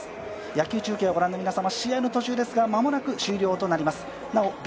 野球中継を御覧の皆様試合の途中ですが間もなく終了となります。